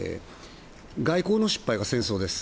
外交の失敗が戦争です。